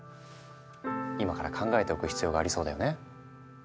今から考えておく必要がありそうだよね。